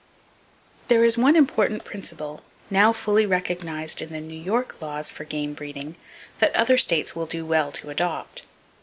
There is one important principle now fully recognized in the New York laws for game breeding that other states will do well to adopt.